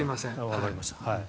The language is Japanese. わかりました。